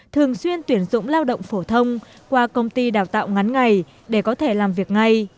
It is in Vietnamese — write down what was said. thường xuyên tuyển dụng lao động phổ thông qua công ty đào tạo ngắn ngày để có thể làm việc ngay